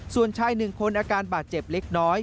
ส่วนชายหนึ่งคนอาการบาดเจ็บเล็กน้อย